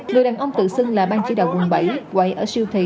người đàn ông tự xưng là bang chỉ đạo quận bảy quậy ở siêu thị